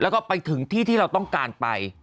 แล้วก็ไปถึงที่ที่เราต้องการไป